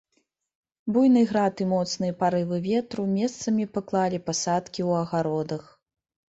Буйны град і моцныя парывы ветру месцамі паклалі пасадкі ў агародах.